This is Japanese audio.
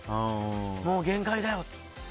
もう限界だよ。